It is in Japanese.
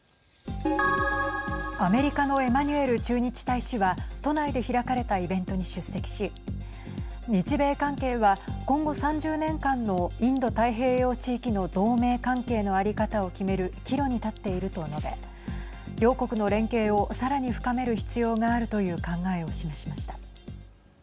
アメリカのエマニュエル駐日大使は都内で開かれたイベントに出席し日米関係は今後３０年間のインド太平洋地域の同盟関係の在り方を決める岐路に立っていると述べ両国の連携をさらに深める必要があるという考えを示しました。